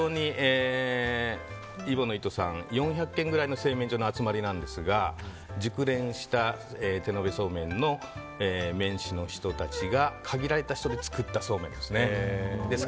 揖保乃糸さん、４００軒くらいの製麺所の集まりなんですが熟練した手延べそうめんの綿糸の人たちが限られた人で作ったそうめんです。